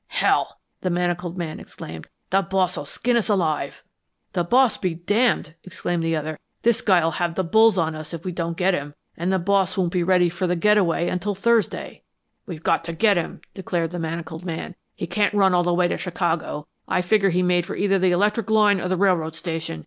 "Hell!" the manacled man exclaimed, "the boss'll skin us alive." "The boss be damned!" exclaimed the other. "This guy'll have the bulls on us if we don't get him, and the boss won't be ready for the getaway until Thursday." "We've got to get him!" declared the manacled man. "He can't run all the way to Chicago. I figure he made for either the electric line or the railroad station.